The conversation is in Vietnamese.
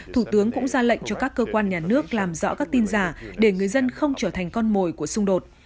thủ tướng cũng ra lệnh cho các cơ quan nhà nước làm rõ các tin giả để người dân không trở thành con mồi của xung đột